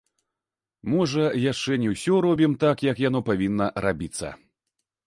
Можа яшчэ не ўсё робім так, як яно павінна рабіцца.